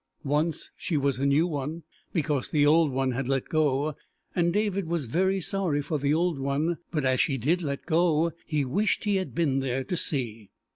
Once she was a new one, because the old one had let go, and David was very sorry for the old one, but as she did let go, he wished he had been there to see.